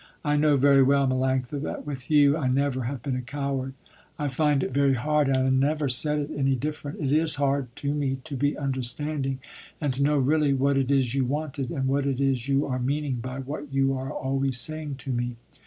I know very well, Melanctha, that with you, I never have been a coward. I find it very hard, and I never said it any different, it is hard to me to be understanding, and to know really what it is you wanted, and what it is you are meaning by what you are always saying to me.